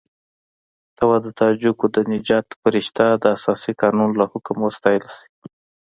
ته وا د تاجکو د نجات فرښته د اساسي قانون له حکم وستایل شي.